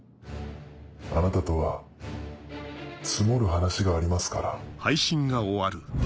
あなたとは積もる話がありますから。